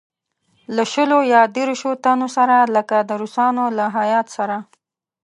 له شلو یا دېرشوتنو سره لکه د روسانو له هیات سره.